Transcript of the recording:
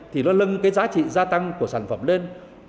thì nó lân cái giá trị gia tăng của sản phẩm lên